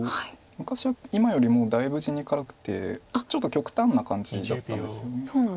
昔は今よりもだいぶ地に辛くてちょっと極端な感じだったんですよね。